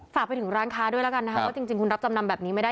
ฝากไปถึงร้านค้าด้วยแล้วกันนะคะว่าจริงคุณรับจำนำแบบนี้ไม่ได้